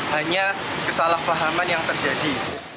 hanya kesalahpahaman yang terjadi